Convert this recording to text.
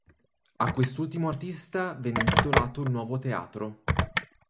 A quest'ultimo artista venne intitolato il nuovo teatro.